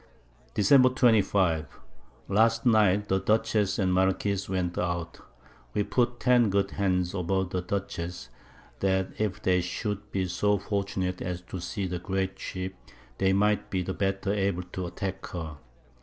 Dec. 25. Last Night the Dutchess and Marquiss went out: We put 10 good Hands aboard the Dutchess, that if they should be so fortunate as to see the Great Ship, they might be the better able to attack her.